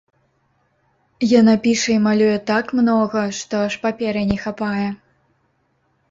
Яна піша і малюе так многа, што аж паперы не хапае.